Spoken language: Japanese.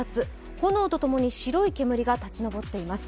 炎とともに白い煙が立ち上っています。